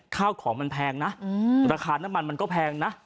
ข้าวของมันแพงนะราคาน้ำมันมันก็แพงนะ